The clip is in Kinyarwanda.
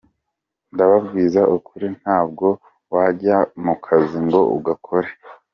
Ndababwiza ukuri ntabwo wajya mu kazi ngo ugakore.